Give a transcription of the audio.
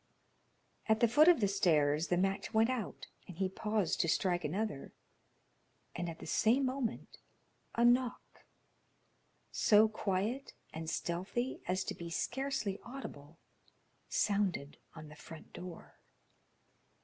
At the foot of the stairs the match went out, and he paused to strike another; and at the same moment a knock, so quiet and stealthy as to be scarcely audible, sounded on the front door.